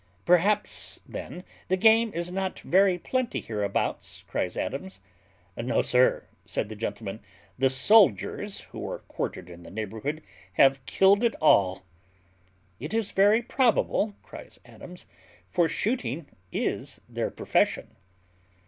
"Perhaps then the game is not very plenty hereabouts?" cries Adams. "No, sir," said the gentleman: "the soldiers, who are quartered in the neighbourhood, have killed it all." "It is very probable," cries Adams, "for shooting is their profession."